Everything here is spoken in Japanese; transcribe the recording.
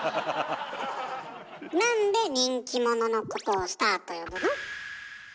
なんで人気者のことをスターと呼ぶの？